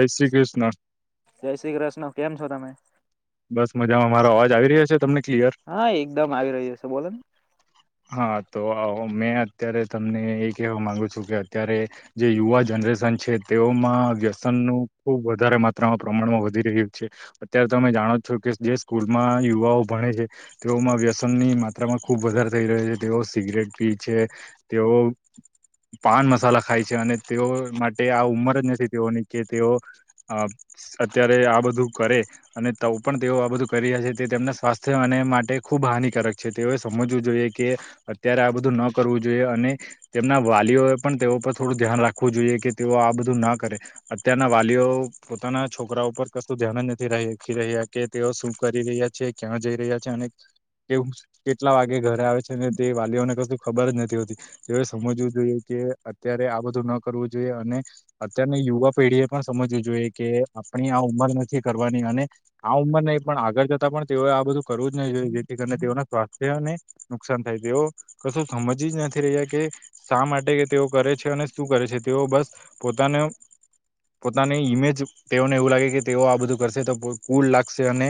જય શ્રી કૃષ્ણ જય શ્રી કૃષ્ણ કેમ છો તમે? બસ મજામાં મારો અવાજ આવી રહ્યો છે તમને? ક્લિયર હા એકદમ આવી રહ્યો છે બોલો ને હા તો મેં અત્યારે તમને એ કેહેવા માંગુ છું કે અત્યારે જે યુવાજનો રેશન છે તેઓમાં વ્યસનનું ખૂબ વધારે માત્રામાં પ્રમાણમાં વધી રહ્યું છે અત્યારે તમે જાણો છો કે જે સ્કૂલમાં યુવાઓ ભણે છે તેઓમાં વ્યસન ની માત્રામાં ખુબ વધારે થઈ રહ્યો છે તેઓ સિગરેટ પી છે તેઓ પાન મસાલા ખાય છે અને તેઓ માટે આ ઉંમર જ નથી તેઓની કે તેઓ અ અત્યારે આ બધું કરે અને પણ તેઓ આ બધું કરી રહ છે તે તેમના સ્વાસ્થ્ય અને માટે ખૂબ હાનિકારક છે તેઓએ સમજવું જોઈએ કે કે અત્યારે આ બધું ન કરવું જોઈએ અને તેમના વાલીઓ પણ તેઓ પર થોડું ધ્યાન રાખવું જોઈએ કે તેઓ આ બધું ના કરે અત્યારના વાલીઓ પોતાના છોકરા ઉપર કશું ધ્યાન જ નથી રહે રહ્યા કે તેઓ શું કરી રહ્યા છે ક્યાં જઈ રહ્યા છે અને કેવું કેટલા વાગે ઘરે આવે છે. ને તે વાલીઓને કશું ખબર જ નથી હોતી તેઓ સમજવું જોઈએ કે અત્યારે આ બધું ન કરવું જોઈએ અને અત્યારની યુવા પેઢી એ પણ સમજવી જોઈએ કે આપણી આ ઉંમર નથી કરવાની અને આ ઉંમર નહીં પણ આગળ જતાં પણ તેઓએ આ બધું કરવું જ નહી જેથી કરીને તેઓના સ્વાસ્થ્ય ને નુકસાન થાય તેઓ કશું સમજી જ નથી રહ્યા કે શા માટે કે તેઓ કરે છે અને શું કરે છે. તેઓ બસ પોતાને પોતાની ઈમેજ તેઓને એવું લાગે કે તેઓ આ બધું કરશે તો કુલ લાગશે અને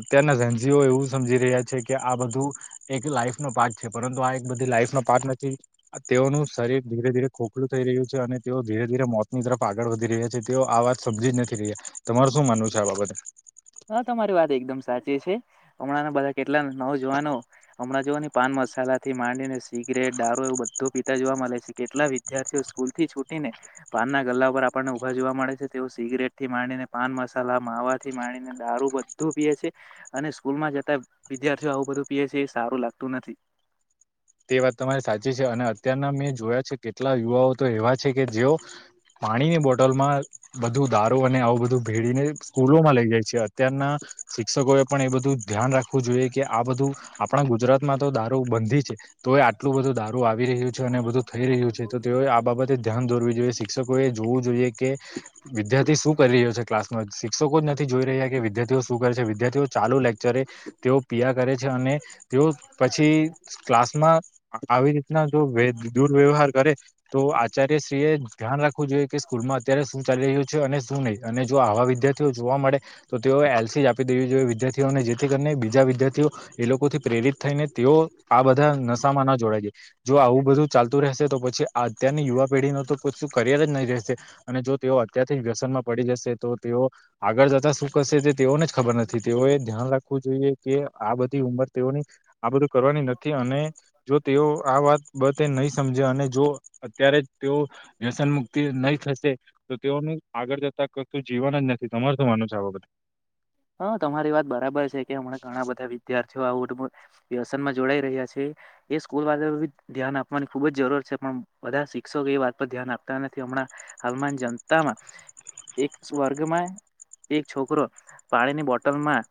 અત્યારના જેનજીઓ એવું સમજી રહ્યા છે કે આ બધું એક લાઈફ નો પાર્ટ છે પરંતુ આ એક બધી લાઈફ નો પાર્ટ નથી તેઓનું શરીર ધીરે ધીરે ખોખલું થઈ રહ્યું અને તેઓ ધીરે ધીરે મોતની તરફ આગળ વધી રહ્યા છે તેઓ આ વાત સમજી જ નથી રહ્યા તમાર શું માનવું છે આ બાબતે હા તમારી વાત એકદમ સાચી છે. હમણાં બધા કેટલા નવજુવાનો હમણાં જોવા ને પાન મસાલા થી માંડી ને સિગરેટ દારૂ એવું બધું પીતા જોવા મળે છે કેટલા વિદ્યાર્થીઓ સ્કૂલ થી છૂટી ને પાન ના ગલ્લા ઉપર આપણને ઉભા જોવા મળે છે તેઓ સિગરેટ થી માંડીને પાન મસાલા, માવા થી માણીને દારૂ બધું પીએ છે અને સ્કૂલ માં જતા વિદ્યાર્થીઓ આવું બધું પીએ છે એ સારું લાગતું નથી. [inaudible] તે વાત તમારી સાચી છે. અને અત્યારના મે જોયા છે કેટલા યુવાઓ તો એવા છે કે જેઓ પાણીની બોટલમાં બધું દારૂ અને આવું બધું ભેળીને સ્કૂલોમાં લઇ જાય છે. અત્યારના શિક્ષકોએ પણ એ બધું ધ્યાન રાખવું જોઈએ કે આ બધું આપણા ગુજરાતમાં તો દારૂ બંધી છે. તોય આટલું બધું દારૂ આવી રહ્યું છે અને બધું થઈ રહ્યું છે. તો તેઓએ આ બાબતે ધ્યાન દોરવી જોઈએ. શિક્ષકોએ જોવું જોઈએ કે વિદ્યાર્થી શું કરી રહ્યો છે ક્લાસમાં શિક્ષકો જ નથી જોઈ ર હ્યા કે વિદ્યાર્થીઓ શું કરે છે. વિદ્યાર્થીઓ ચાલુ લેક્ચરે તેઓ પિઆ કરે છે અને તેઓ પછી ક્લાસ માં આવી રીતના જો દુર્વ્યવહાર કરે તો આચાર્યશ્રી એ ધ્યાન રાખવું જોઈ એ કે સ્કૂલમાં અત્યારે શું ચાલી રહ્યું છે અને શું નહીં અને જો આવા વિદ્યાર્થીઓ જોવા મળે તો તેઓ એલસી જ આપ દેવી જોઈએ વિદ્યાર્થીઓને. જેથી કરીને બીજા વિદ્યાર્થીઓ એ લોકોથી પ્રેરિત થઈને તેઓ આ બ નશામાં ના જોડાય જાય. જો આવું બધું ચાલતું રહેશે તો પછી આ અત્યારની યુવા પેઢીનું તો કશુ કરિયર જ નહી રહેશે. અને જો તેઓ અત્યારથી વ્યસનમાં પડી જશે તો તેઓ આગળ જતા શું કરશે તે તેઓને જ ખબર નથી. તેઓએ ધ્યાન રાખવું જોઈએ કે આ બ ધી ઉમર તેઓની આ બધું કરવા થી અને જો તેઓ આ વાત બતે નહી સમજે અને જો અત્યારે જ તેઓ વ્યસન મુક્તિ નહી થશે. તો તેઓનું આગળ જતા કશુ જીવન જ નથી. તમાર શું માનું છે આ બાબતે? હ, તમારી વાત બરાબર છે કે હમણાં ઘણા બધા વિદ્યાર્થી છે. આવુ વટુ મોર વ્યસનમાં જોડાઈ રહ્યા છે. એ સ્કૂલ વારાએબી ધ્યાન આપવાની ખુબ જરૂર છે પ બધા શિક્ષકો એ વાત પર ધ્યાન આપતા નથી. હમણાં હાલમાં જનતામાં એક સ્વર્ગમાં એક છોકરો પાણીની બોટલમાં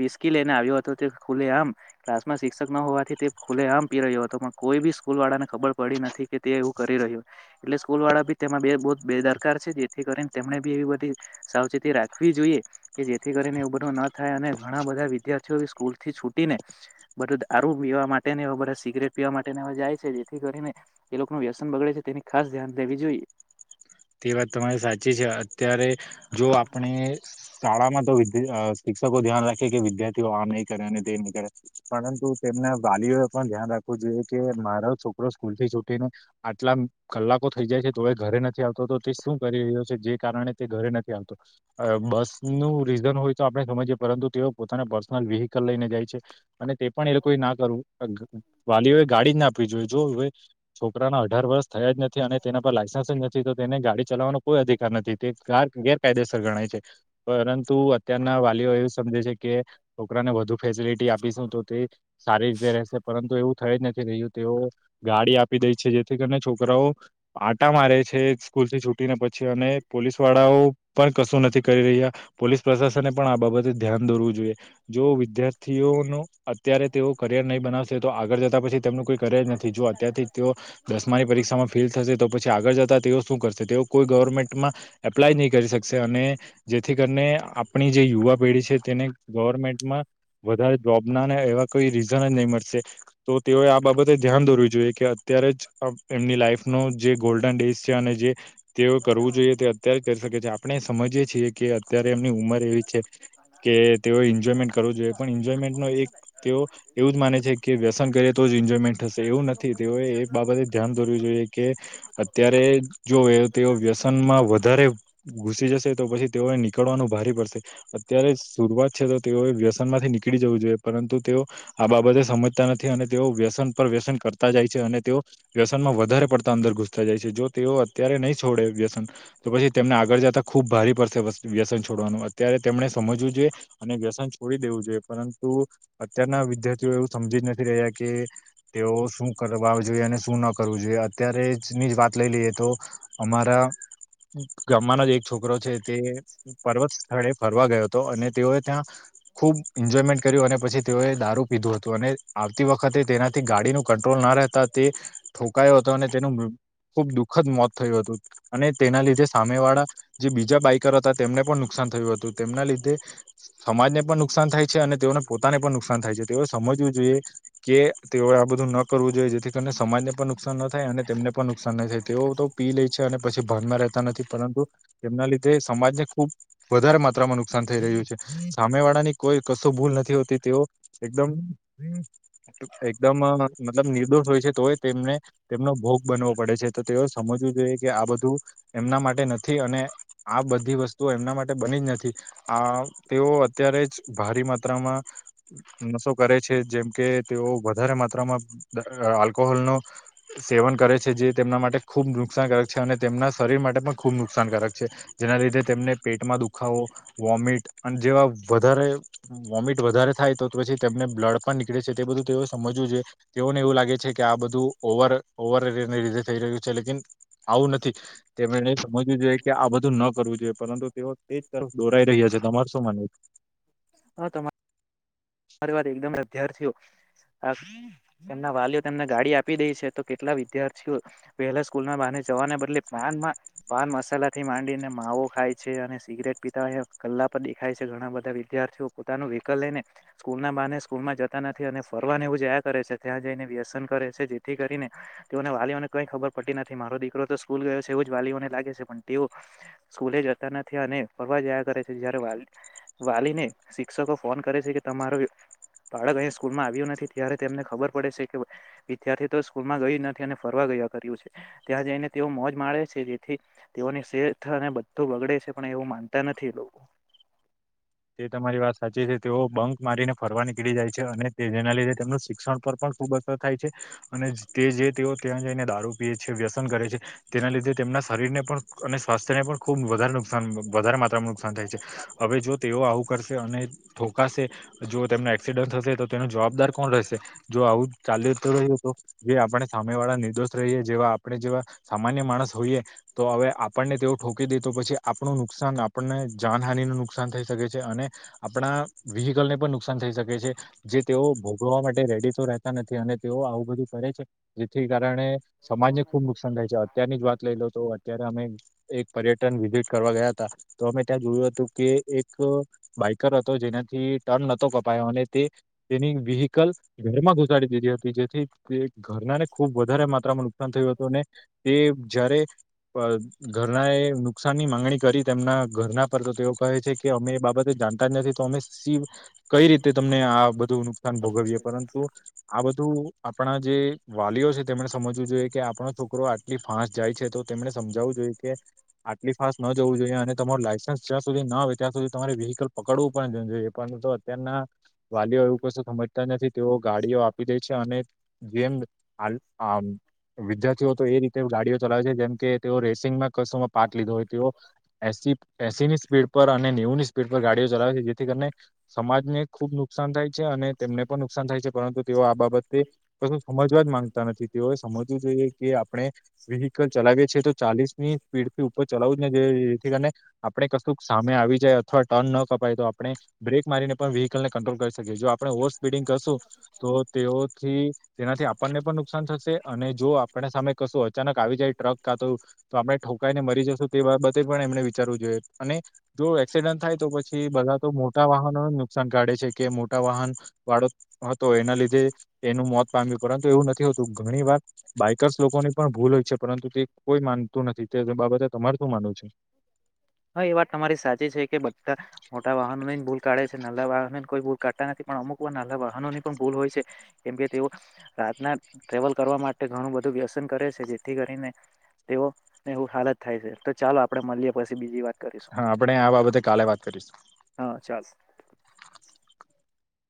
વિસકી લઈને આવ્યો હતો. તે ખુલે આમ ક્લાસમાં શિક્ષક ન હોવાથી તે ખુલે આમ પી રહ્યો હતો. પ કોઈ બી સ્કૂલવાળાને ખબર પડી નથી કે તે એવું કરી રહ્યો. એટલે સ્કૂલવાળા બી તેમાં બે બુધ બેદરકાર છે. જેથી કરીને તેમણે બી એવી બધી સાવચેતી રાખવી જોઈએ. કે જેથી કરીને એવુ બધુ ન થાય અને ઘણા બધા વિદ્યાર્થીઓ સ્કૂલથી છૂટીને બધું દારૂ પિવા માટે ને એવા બધા સિગરેટ પીવા માટે ને જાય છે. જેથી કરીને એ લોકોનું વ્યસન બગડે છે તેની ખાસ ધ્યાન લેવી જોઈએ. તે વાત તમારી સાચી છે. અત્યારે જો આપણે શાળામાં તો વિદ્ય અ શિક્ષકો ધ્યાન રાખે કે વિદ્યાર્થીઓ આ નહીં કરે અને તે નહી કરે. પરંતુ તેમ ના વાલીઓ એ પણ ધ્યાન રાખવું જોઈએ કે મારો છોકરો સ્કૂલથી છૂટીને આટલા કલાકો થઇ જાય છે તોય ઘરે નથી આવતો તે શું કરી રહ્યો છે? જે કારણે તે ઘરે નથી આવતો. બસનું રીઝન હોય તો આપણે સમજીએ પરંતુ તેઓ પોતાના પર્સનલ વ્હીકલ લઈને જાય છે. અને તે પણ એ લોકોએ ના કરવું. વાલીઓ ગાડી જ ના આપવી જોઈએ. જો હવે છોકરાના અઢાર વર્ષ થયા જ નથી અને તેના પર લાયસન્સ જ નથી તો તેને ગાડી ચલાવવાનો કોઈ અધિકાર નથી. તે કાર ગેરકાયદેસર ગણાય છે. પરંતુ અત્યારના વાલીઓ એવુ સમજે છે કે છોકરાને વધુ ફેસિલિટી આપીશું તો તે સારી રીતે રહશે. પરંતુ એવું થઈ જ નથી રહ્યું તેઓ ગાડી આપી દે છે. જેથી કરીને છોકરાઓ આટા મારે છે. સ્કૂલથી છુટીને પછી અને પોલીસ વાળાઓ પણ કશું નથી કરી રહ્યા. પોલીસ પ્રશાસને પણ આ બાબતે ધ્યાન દોરવું જોઈએ. જો વિદ્યાર્થીઓનો અત્યારે તેઓ કરિયર નહી બનાવશે. તો આગળ જતા પછી તેમનું કોઈ કરિયર નથી. થી. જો અત્યારથી તેઓ દસમાની પરીક્ષામાં ફેલ થશે. તો પછી આગળ જતા તેઓ શું કરશે? તેઓ કોઈ ગવર્મેન્ટમાં એપ્લાય નહીં કરી શકશે. અને જેથી કરીને આપણી જે યુવા પેઢી છે. તેને ગવર્મેન્ટમાં વધારે જોબના ને એવા કોઈ રીઝન જ નહીં મળશે. તો તેઓએ આ બાબતે ધ્યાન દોરવુ જોઈએ કે અત્યારે જ એમની લાઈફનો જે ગોલ્ડન ડેસ છે અને જે તેઓ કરવું જોઈએ તે અત્યારે જ કરી શકે છે. આપણે સમજીય છીએ કે અત્યારે એમની ઉંમર એવી છે કે તેઓ એન્જોયમેન્ટ કરવું જોઈએ. પણ એન્જોયમેન્ટનું તો એક તેઓ એવું જ માને છે કે વ્યસન કરે તો જ એન્જોયમેન્ટ થશે એવું નથી તેઓએ એક બાબતે ધ્યાન ડરવું જોઈએ કે અત્યારે જો એ તેઓ વ્યસનમાં વધારે ઘુસી જશે, તો પછી તેઓ નીકળવાનું ભારી પડશે. અત્યારે શરરૂઆત છે તો તેઓએ વ્યસન માંથી નીકળીજ જવું જોઈએ. પરંતુ તેઓ આ બાબતે સમજતા નથી અને તેઓ વ્યસન પર વ્યસન કરતા જાય છે. અને તેઓ વ્યસનમાં વધારે પડતા અંદર ઘૂસતા જાય છે. જો તેઓ અત્યારે નહીં છોડે વ્યસન. તો પછી તેમને આગળ જતા ખુબ ભારે પડશે વસ્ત વ્યસન છોડવાનું. અત્યારે તેમણે સમજવું જોઈ અને વ્યસન છોડી દેવું જોઈએ. પરંતુ અત્યારના વિદ્યાર્થીઓ એવું સમજી જ ન થી રહ્યા કે તેઓ શું કરવા જોઈએ, અને શું ન કરવું જોઈએ. અત્યારે જીની વાત લઈ લઈએ તો અમારા ગામમાંનો જ એક છોકરો છે, તે પર્વત સ્થળે ફરવા ગયો હતો તો અને તેઓએ ત્યાં ખુબ એન્જોયમેન્ટ કર્યું, અને પછી તેઓએ દારૂ પીધું હત તુ અને આવતી વખતે તેનાથી ગાડી નુ કંટ્રોલ ના રહેતા, તે ઠોકાયો હતો અને તેનું ખુબ દુઃખદ મોત થયું હતું. અને તેના લીધે સામે વાળા જે બીજા બાઈકર હતા, તેમને પણ નુકસ સાન થયું હતું. તેમના લીધે સમાજને પણ નુકસાન થાય છે. અને તેઓને પોતાને પણ નુકસાન થાય છે. તેઓ સમજ મજવું જોઈએ કે તેઓ આ બધું ન કરવું જોઈએ. જેથી કરીને સમાજને પણ નુકસાન ન થાય અને તેમને નુકસાન ન થાય તેઓ તો પી લે છે. અને પછી ભાનમાં રહેતા નથી. પરંતુ તેમના લીધે સમાજને ખૂબ વધારે માત્રામાં નુકસાન થઈ રહ્યું છે. સામે વાળા ની કોઈ કશું ભુ ભુલ નથી હોતી. તેઓ એકદમ એકદમ મ મતલબ નિર્દોષ હોય છે. તોય તેમને તેમનો ભોગ બનવો પડે છે. તો તેઓ સમજવું જોઈએ. કે આ બધું એમના માટે નથી. અને આ બધી વસ્તુ તો એમના માટે બની જ નથી. આ તેઓ અત્યારે જ ભારી માત્રામાં નસો કરે છે. જેમ કે તેઓ વધારે માત્રામાં દા આલ્કોહોલનો સેવન કરે છે જે તેમના માટે ખૂબ નુકસાનકારક છે. અને તેમના શરીર માટે પણ ખૂબ નુકસાનકારક છે. જેના લીધે તેમને પેટમાં દુખાવો, વોમિટ અને જેવા વધારે વોમિટ વધારે થાય તો તો પછી તેમને બ્લડ પણ નીકળે છે. તે બધું તેઓ સમજવું જોઈયે. તેઓને એવું લાગે છે કે આ બધું ઓવર ઓવર ર ને લીધે થઈ રહ્યું છે. લેકીન આવું નથી. તેમને સમજવું જોઈએ કે આ બધું ન કરવું જોઈએ. પરંતુ તેઓ તેજ તરફ દોરાઈ રહી તમાર શું માનવું? હા તમા ત્યારથીયો આ એમના વાલ તેમને ગાડી આપી દે છે. તો કેટલા વિદ્યાર્થીઓ વહેલા સ્કૂલના બાને જવાને બદલે પાન માં, પાન પાન મસાલા થી માંડીને માવો ખાય છે. અને સિગરેટ પીતા ઈ કલાક પર દેખાય છે. ઘણા બધા વિદ્યાર્થીઓ પોતાનું વિહકલ લઈને સ્કૂલના બાને સ્કૂલમાં જતા નથી. અને ફરવાને એવું જયા કરે છે. ત્યાં જઈને વ્યસન કરે છે. જેથી કરીને તેઓને વાલીઓને કઈ ખબર પતી નથી. મારો દીકરો તો સ્કૂલ ગયો છે. એવું જ વાલીઓને લાગે છે પણ તેઓ સ્કૂલ જતા નથી. અને ફરવા જયા કરે છે. જ્યારે વાલીને વાલીને શિક્ષકો ફોન કરે છે કે તમારો બાળક અહીંયા સ્કૂલમાં આવ્યું નથી. ત્યારે તેમને ખબર પડે છે કે, વિદ્યાર્થી તો સ્કૂલમાં ગયું નથી અને ફરવા છે. ત્યાં જઈને તેઓ મોજ માણે છે. જેથી તેઓની સેહત અને બધું બગડે છે. પણ એવું માનતા નથી લોકો [inaudible] તે તમારી વાત સાચી છે. તેઓ બંક મારીને ફરવા નીકળી જાય છે. અને તે જેના લીધે તેમનું શિક્ષણ પર પણ ખુબ અસર થાય છે. અને તે જે તેઓ ત્યાં જઈને દારૂ પી છે વ્યસન કરે છે, તેના લીધે મના શરીરને પણ અને સ્વાસ્થ્યને પણ ખૂબ વધારે નુકસાન વધારે માત્રામાં નુકસાન થાય છે. હવે જો આવુ કરશે અને ઠોકાશે જો તેમને એક્સિડન્ટ થશે તો, તેનો જવાબદાર કોણ રહેશે? જો આવું ચાલુજ કરે એ લોકો. જે આપણને સામે વાળા નિર્દોષ રહીએ જેવા આપણે જેવા સા માન્ય માણસ હોઈએ. તો હવે આપણને તેઓ ઠોકી દે તો પછી આપણું નુકસાન આપણને જાનહાની ન નુકસાન થઈ શકે છે. અને આપણા વ્હીકલ ને પણ નુકસાન થઈ શકે છે જે તેઓ ભોગવવા માટે રેડી તો રહે નથી અને તેઓ આવું બધું ફરે છે. જેથી કારણે સમાજને ખુબ નુકસાન થાય છે. અત્યારની જ વાત લઈ લો તો અત્યારે અમે એક પર્યટન વિઝિટ કરવા ગયા હતા તો અમે ત્યાં જોયું હતું કે એક બાઈકર હતો જેનાથી ટર્ન નતો કપાયો અને તે તેની વ્હીકલ ઘરમાં ઘુસાડી દીધી હતી જેથી તે ઘરના ને ખૂબ વધારે મા ત્રા નુકસાન થયું હતું અને તે જ્યારે પણ ઘરના એ નુકસાન ની માંગણી કરી તેમના ઘરના પર તો તેઓ કહે છે કે અમે એ બાબતે જાણતા જ નથી તો અમે શી કઈ રીતે તમને આ બધું નુકસાન ભોગવીએ પરંતુ આ બધું આપણા જે વા છે તેમણે સમજવું જોઈએ કે આપણો છોકરો આટલી ફાસ્ટ જાય છે. તો તેમણે સમજાવવું જોઈએ કે આટલી ફાસ્ટ ન જવું જોઈએ અને તમારું લાયસન્સ જ્યાં સુધી ના આવે ત્યાં સુધી તમારે વ્હીકલ પકડવું પણ જોઈએ પર અત્યારના વાલીઓ એવું કશું સમજતા નથી તેઓ ગાડીઓ આપી દે છે અને જેમ [unintelligible] વિદ્યાર્થીઓ તો એ રીતે ગાડીઓ ચલાવે છે જેમ કે તેઓ રેસિંગમાં કસોમાં પાઠ લીધો હોય. તેઓ એસી ની સ્પીડ પર અને નેવું ની સ્પીડ પર ગાડીઓ ચલાવે છે. જેથી કરીને સમાજને ખુબ નુકસાન થાય છે અને તેમને પણ નુકસાન થાય છે પરંતુ તેઓ આ બાબતે કશું સમજવા જ માંગતા નથી તેઓએ સમજવું જોઈએ કે આપણે વેહિકલ ચલાવીએ છે તો ચાલીસ ની સ્પીડ થી ઉપર ચલાવું જ ન જવ જેથી કરીને આપણે કશું સામે આવી જાય અથવા ટર્ન ન કપાય તો આપણે બ્રેક મારીને પણ વ્હીકલને કંટ્રોલ કરી શકીએ જો આપ આપણે ઓવર સ્પીડિંગ કરશું તો તેઓથી તેનાથી આપણને પણ નુકસાન થશે અને જો આપણે આપ સામે કશું અચાનક આવી જાય ટ્રક કા તો તો આપડણે ઠોકાઈ ને મરી જશું તે બાબતે પણ એમને વિચારવું જોઈએ જો એક્સિડન્ટ થાય તો પછી બધા તો મોટા વાહનો નુકસાન કાઢે છે કે મોટા વાહન તો એના લીધે એનું મોત પામ્યું પરંતુ એવું નથી હોતું ઘણી વાર બાઈકર્સ લોકોની પણ ભૂલ હોય છે પરંતુ તે કોઈ માનતું નથી તે બાબતે તમાર શું માનવું છે? હા એ વાત તમારી સાચી છે કે બધા મોટા વાહનોની ભૂલ કાઢે છે નાલા વાહનોને કોઈ ભૂલ કરાતા નથી પણ અમુક વાર નાલા વાહનોની પણ ભૂલ હોય છે કેમ કે તેઓ રાતના ટ્રેવલ કરવા માટે ઘણું બધું વ્યસન કરે છે જેથી કરીને તેવો ને હું હાલત થાય છે તો ચાલો આપડે મળીએ પછી બીજી વાર હા આપણે આ બાબતે કાલે વાત કરીશું. હા ચાલો